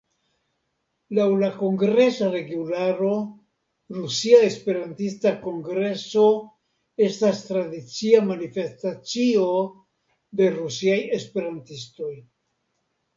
Laŭ la Kongresa regularo, "Rusia Esperantista Kongreso estas tradicia manifestacio de rusiaj esperantistoj.